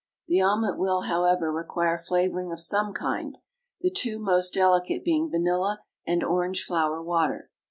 The omelet will, however, require flavouring of some kind, the two most delicate being vanilla and orange flower water.